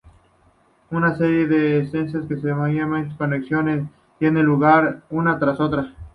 Una serie de escenas en su mayoría sin conexión tienen lugar una tras otra.